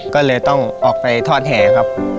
ก็เลยต้องออกไปทอดแห่ครับ